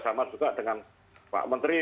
sama juga dengan pak menteri